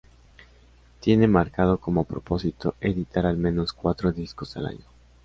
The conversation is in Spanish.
Tiene marcado como propósito editar al menos cuatro discos al año.